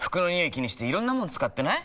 気にしていろんなもの使ってない？